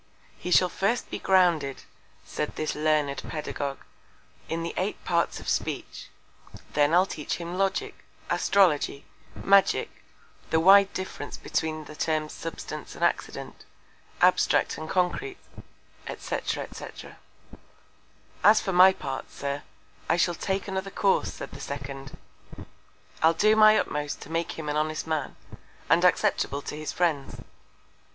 He shall first be grounded, said this learned Pedagogue, in the Eight Parts of Speech; then I'll teach him Logic, Astrology, Magick, the wide Difference between the Terms Substance and Accident, Abstract and Concrete, &c. &c. As for my Part, Sir, I shall take another Course, said the second; I'll do my utmost to make him an honest Man, and acceptable to his Friends.